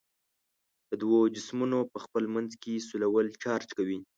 د دوو جسمونو په خپل منځ کې سولول چارج کوي.